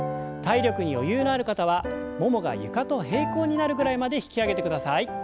体力に余裕のある方はももが床と平行になるぐらいまで引き上げてください。